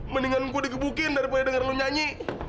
mendingan gue digebukin daripada denger lo nyanyi